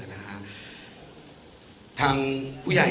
ทางผู้ใหญ่